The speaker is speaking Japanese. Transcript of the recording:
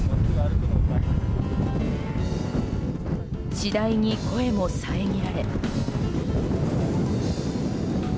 次第に声も遮られ。